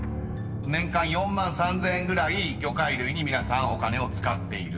［年間４万３，０００円ぐらい魚介類に皆さんお金を使っている］